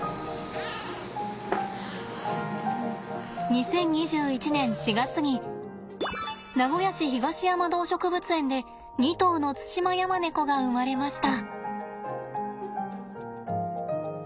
２０２１年４月に名古屋市東山動植物園で２頭のツシマヤマネコが生まれました。